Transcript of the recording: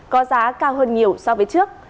có giá cao hơn nhiều so với trước